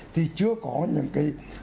thì chưa có những cái